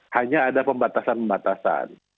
hanya ada pembatasan pembatasan